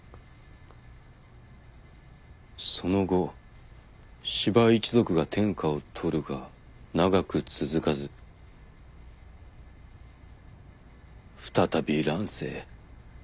「その後司馬一族が天下を取るが長く続かず再び乱世へ」